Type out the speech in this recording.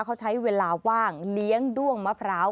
เขาใช้เวลาว่างเลี้ยงด้วงมะพร้าว